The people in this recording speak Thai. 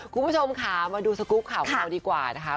คุณผู้ชมค่ะมาดูสกุปข่าวของเราดีกว่านะคะ